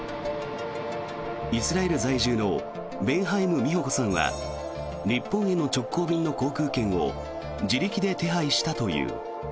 イスラエル在住のベンハイム美穂子さんは日本への直行便の航空券を自力で手配したという。